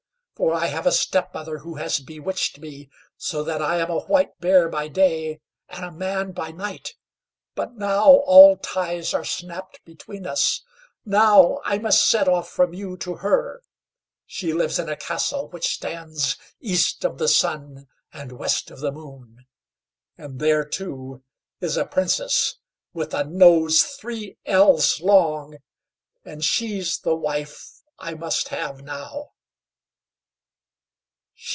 For I have a step mother who has bewitched me, so that I am a White Bear by day, and a Man by night. But now all ties are snapt between us; now I must set off from you to her. She lives in a Castle which stands East of the Sun and West of the Moon, and there, too, is a Princess, with a nose three ells long, and she's the wife I must have now."